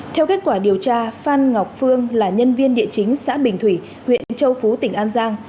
theo kết quả điều tra phan ngọc phương là nhân viên địa chính xã bình thủy huyện châu phú tỉnh an giang